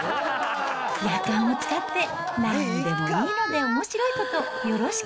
やかんを使って、なんでもいいので、おもしろいことよろしく。